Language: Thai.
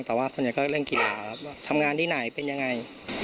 แต่ว่าส่วนใหญ่ก็เรื่องกีฬาครับว่าทำงานที่ไหนเป็นยังไง